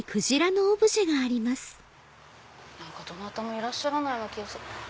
どなたもいらっしゃらないような気がする。